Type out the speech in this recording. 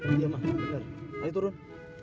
iya mas benar ayo turun